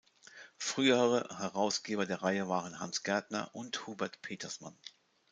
Frühere Herausgeber der Reihe waren Hans Gärtner und Hubert Petersmann.